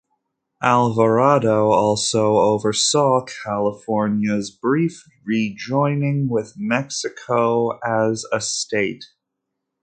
Alvarado also oversaw California's brief rejoining with Mexico as a state.